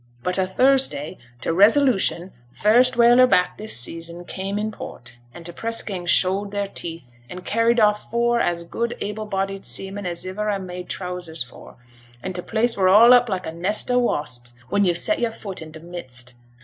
But o' Thursday t' Resolution, first whaler back this season, came in port, and t' press gang showed their teeth, and carried off four as good able bodied seamen as iver I made trousers for; and t' place were all up like a nest o' wasps, when yo've set your foot in t' midst.